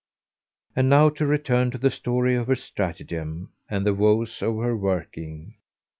And now to return to the story of her stratagem and the woes of her working.